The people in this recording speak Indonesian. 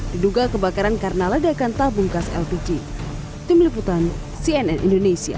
diduga kebakaran karena ledakan tabung gas lpg tim liputan cnn indonesia